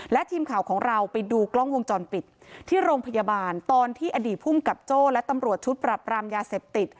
และทีมข่าวของเราไปดูกล้องวงจรปิดที่โรงพยาบาลตอนที่อดีตภูมิกับโจ้และตำรวจชุดปรับรามยาเสพติด